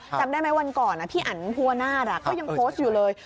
จำได้ไหมวันก่อนพี่อันภูวนาศก็ยังโพสต์อยู่เลย